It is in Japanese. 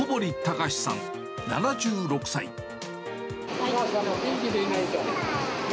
お母さんも元気でいないとね。